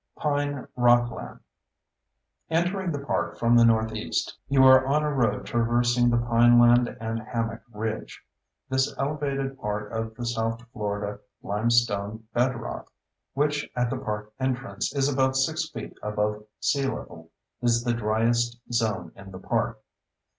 Pine Rockland Entering the park from the northeast, you are on a road traversing the pineland and hammock "ridge." This elevated part of the South Florida limestone bedrock, which at the park entrance is about 6 feet above sea level, is the driest zone in the park.